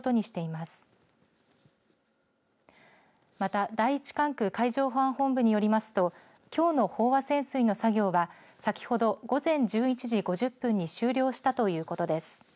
また、第１管区海上保安本部によりますときょうの飽和潜水の作業は先ほど午前１１時５０分に終了したということです。